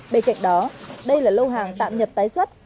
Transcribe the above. bên cạnh đó đây là lô hàng tạm nhập tái xuất